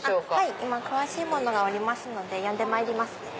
今詳しい者がおりますので呼んでまいります。